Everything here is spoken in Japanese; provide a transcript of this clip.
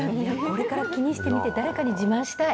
これから気にして見て、誰かに自慢したい。